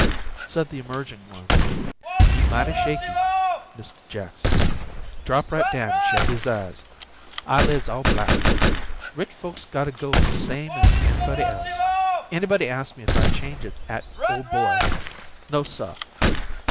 Said the emerging one: "He mighty shaky, Mist' Jackson. Drop right down an' shet his eyes. Eyelids all black. Rich folks gotta go same as anybody else. Anybody ast me if I change 'ith 'at ole boy No, suh!